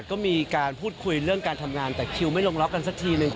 คุยเรื่องการทำงานแต่คิวไม่ลงล็อกกันสักทีเลย